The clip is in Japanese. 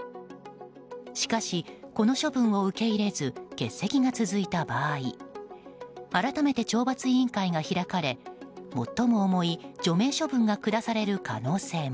しかし、この処分を受け入れず欠席が続いた場合改めて懲罰委員会が開かれ最も重い除名処分が下される可能性も。